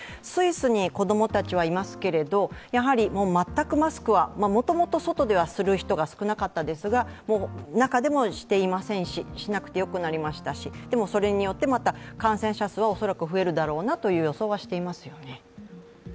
スイスに子供たちはいますけど、全くマスクは、もともと外ではする人が少なかったですが中でもしてしませんし、しなくてよくなりましたし、でもそれによってまた感染者数は恐らく増えるだろうなという予想はしてますよね。